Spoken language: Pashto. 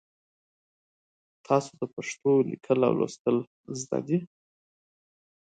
تاسو د پښتو لیکل او لوستل زده دي؟